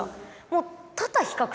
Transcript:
もう。